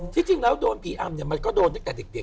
ถ้าจริงแล้วโดนผีอำเนี่ยมันก็โดนในกับเด็กแล้ว